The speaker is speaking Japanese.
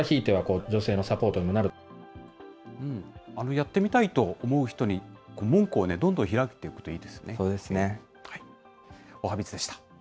やってみたいと思う人に門戸をどんどん開くということはいいそうですね。